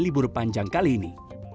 libur panjang kali ini